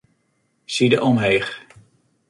Side omheech.